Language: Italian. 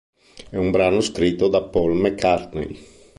È un brano scritto da Paul McCartney.